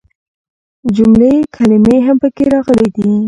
جملې ،کلمې هم پکې راغلي دي.